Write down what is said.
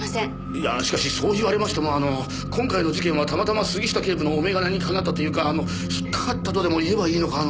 いやしかしそう言われましてもあの今回の事件はたまたま杉下警部のお眼鏡にかなったというかあの引っかかったとでも言えばいいのかあの。